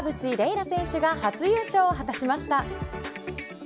楽選手が初優勝を果たしました。